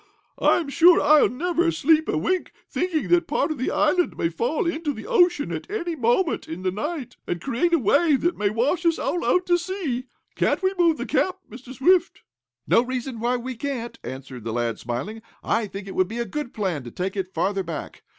I'm sure I'll never sleep a wink, thinking that part of the island may fall into the ocean at any moment in the night, and create a wave that may wash us all out to sea. Can't we move the camp, Mr. Swift?" "No reason why we can't," answered the lad, smiling. "I think it would be a good plan to take it farther back.